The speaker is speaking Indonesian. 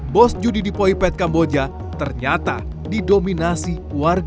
bos judi di poipet kamboja ternyata didominasi warga